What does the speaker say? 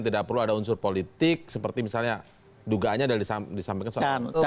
tidak perlu ada unsur politik seperti misalnya dugaannya adalah disampaikan soal